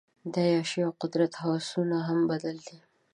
د عیاشۍ او قدرت هوسونه هم بد دي.